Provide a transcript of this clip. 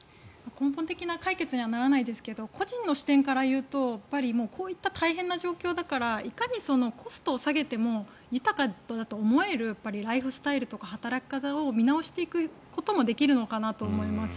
根本的な解決にはならないですが個人の視点から言うとやっぱりこういった大変な状況だからいかにコストを下げても豊かだと思えるライフスタイルとか働き方を見直していくこともできるのかなと思います。